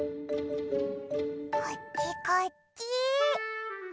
こっちこっち！